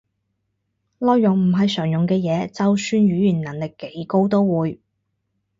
內容唔係常用嘅嘢，就算語言能力幾高都會